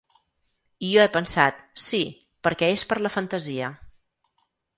I jo he pensat: Sí, perquè és per la fantasia.